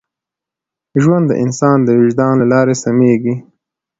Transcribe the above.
ژوند د انسان د وجدان له لارې سمېږي.